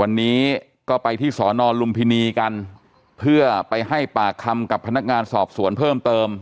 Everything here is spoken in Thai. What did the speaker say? วันนี้ก็ไปที่สอนอลุมพินีกันเพื่อไปให้ปากคำกับพนักงานสอบสวนเพิ่มเติม